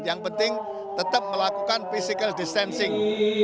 yang penting tetap melakukan physical distancing